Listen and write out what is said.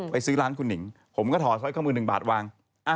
ซื้อร้านคุณหนิงผมก็ถอดสร้อยข้อมือ๑บาทวาง